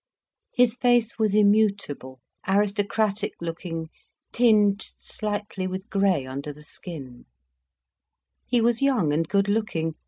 His face was immutable, aristocratic looking, tinged slightly with grey under the skin; he was young and good looking.